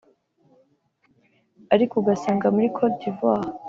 Ariko ugasanga muri Cote d’Ivoire